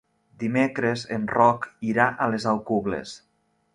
Dimecres en Roc irà a les Alcubles.